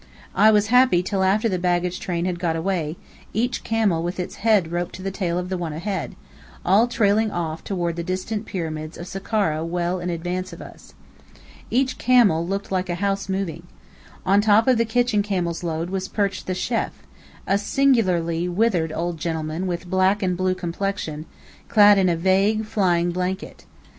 I was happy till after the baggage train had got away, each camel with its head roped to the tail of the one ahead, all trailing off toward the distant Pyramids of Sakkhara well in advance of us. Each camel looked like a house moving. On top of the kitchen camel's load was perched the chêf, a singularly withered old gentleman with black and blue complexion, clad in a vague, flying blanket.